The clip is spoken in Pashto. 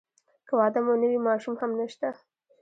که واده مو نه وي ماشومان هم نشته.